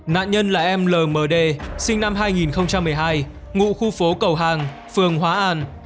nạn nhân là em l m d sinh năm hai nghìn một mươi hai ngụ khu phố cầu hàng phường hóa an